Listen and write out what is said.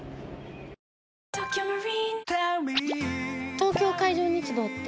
東京海上日動って？